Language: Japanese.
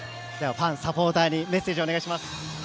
ファン、サポーターにメッセージをお願いします。